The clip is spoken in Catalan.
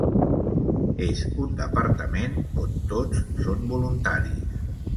És un departament on tots són voluntaris.